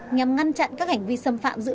nhằm ngăn chặn các hành vi xâm phạm